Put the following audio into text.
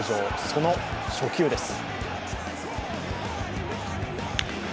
その初球です。